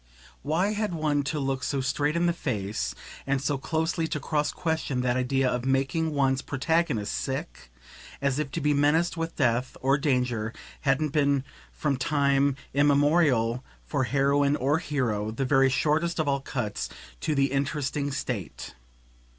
Why had one to look so straight in the face and so closely to cross question that idea of making one's protagonist "sick"? as if to be menaced with death or danger hadn't been from time immemorial, for heroine or hero, the very shortest of all cuts to the interesting state.